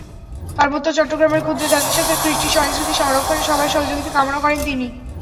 পার্বত্য চট্টগ্রামের ক্ষুদ্র জাতিসত্তার কৃষ্টি-সংস্কৃতি সংরক্ষণে সবার সহযোগিতা কামনা করেন তিনি।